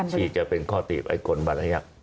ฉีดจะเป็นข้อตีบไอกลบรรยัก